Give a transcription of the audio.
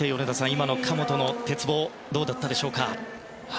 今の神本の鉄棒どうだったでしょうか？